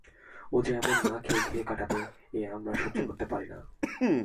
ও যে এমন না খেয়ে খেয়ে কাটাবে এ আমরা সহ্য করতে পারি নে।